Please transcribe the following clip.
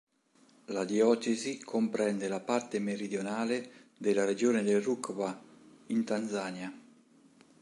La diocesi comprende la parte meridionale della Regione del Rukwa in Tanzania.